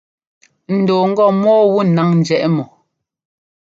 N dɔɔ ŋgɔ mɔ́ɔ wu náŋ njɛ́ʼ mɔ.